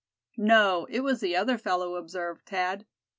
"No, it was the other fellow," observed Thad.